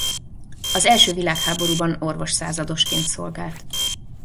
Az első világháborúban orvos századosként szolgált.